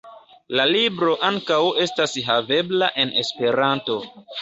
La libro ankaŭ estas havebla en Esperanto.